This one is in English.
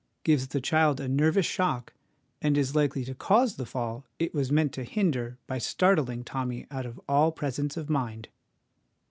gives the child a nervous shock, and is likely to cause the fall it was meant to hinder by startling Tommy out of all presence of mind.